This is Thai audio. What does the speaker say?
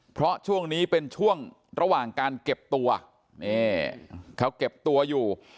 เพราะช่วงนี้เป็นช่วงระหว่างการเก็บตัวนี่เขาเก็บตัวอยู่